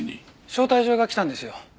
招待状が来たんですよ。